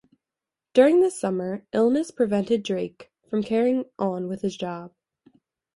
During this summer, illness prevented Drake from carrying on with his job.